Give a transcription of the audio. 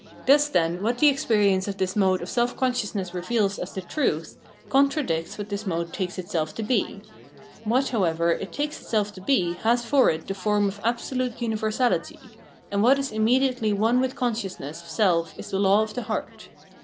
Thus, then, what the experience of this mode of self consciousness reveals as the truth, contradicts what this mode takes itself to be. What, however, it takes itself to be has for it the form of absolute universahty; and what is inunediately one with consciousness of self is the law of the heart.